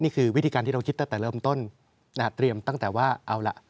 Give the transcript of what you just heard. นี่คือวิธีการที่เราคิดตั้งแต่เริ่มต้นนะฮะเตรียมตั้งแต่ว่าเอาล่ะ